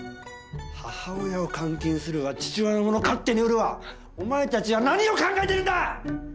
母親を監禁するわ父親の物を勝手に売るわお前たちは何を考えてるんだ！